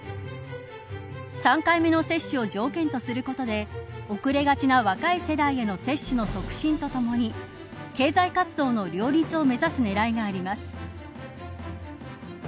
３回目の接種を条件とすることで遅れがちな若い世代への接種の促進とともに経済活動の両立を目指す狙いがあります。